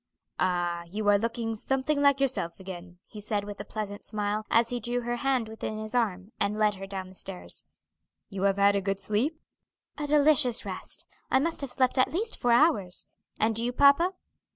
"Ah, you are looking something like yourself again," he said, with a pleasant smile, as he drew her hand within his arm, and led her down the stairs. "You have had a good sleep?" "A delicious rest. I must have slept at least four hours. And you, papa?"